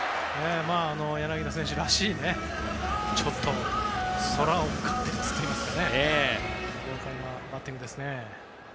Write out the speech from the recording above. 柳田選手らしいちょっと空をうがつといいますか豪快なバッティングですね。